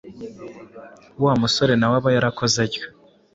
Wa musore na we aba yarakoze atyo.